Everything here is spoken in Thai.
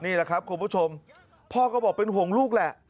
นี่แหละครับคุณผู้ชมพ่อก็บอกเป็นห่วงลูกแหละ